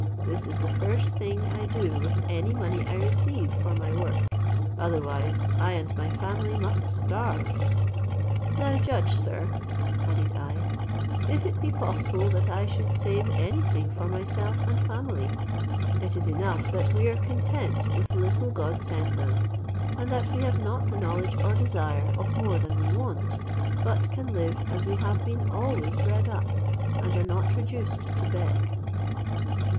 This is the first thing I do with any money I receive for my work; otherwise I and my family must starve. "Now judge, sir," added I, "if it be possible that I should save any thing for myself and family: it is enough that we are content with the little God sends us, and that we have not the knowledge or desire of more than we want, but can live as we have been always bred up, and are not reduced to beg."